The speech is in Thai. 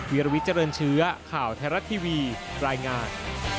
วิรวิทเจริญเชื้อข่าวไทยรัฐทีวีรายงาน